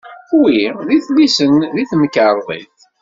Wi d idlisen n temkarḍit.